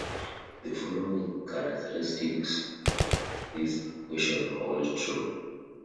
The following characteristics of this equation hold true.